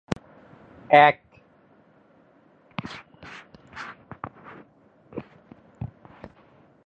তিনি ব্যবসায়ী হিসাবে তার প্রতিভা আবিষ্কার করেছিলেন।